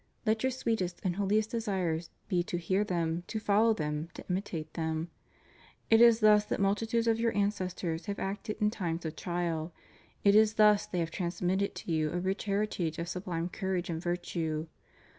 Let your sweetest and holiest desires be to hear them, to follow them, to imitate them. It is thus that multitudes of your ancestors have acted in times of trial; it is thus they have transmitted to you a rich heritage of sublime courage and virtue.